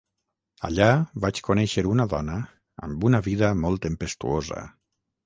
Allà vaig conèixer una dona amb una vida molt tempestuosa.